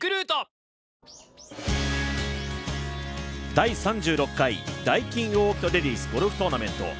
第３６回ダイキンオーキッドレディスゴルフトーナメント。